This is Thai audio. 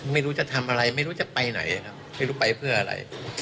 ไม่รู้จะทำอะไรไม่รู้จะไปไหนครับไม่รู้ไปเพื่ออะไร